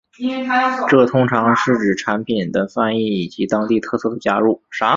这通常是指产品的翻译以及当地特色的加入。